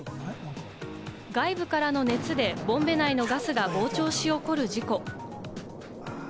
外部からの熱でボンベ内のガスが膨張し、起こる事故。